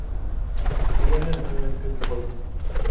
Crían anualmente un pollo.